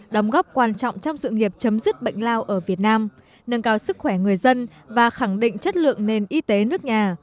đóng góp quan trọng trong sự nghiệp chấm dứt bệnh lao ở việt nam nâng cao sức khỏe người dân và khẳng định chất lượng nền y tế nước nhà